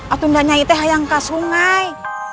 atuh gak nyai teh hayang ke sungai